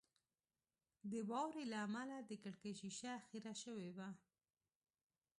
د واورې له امله د کړکۍ شیشه خیره شوې وه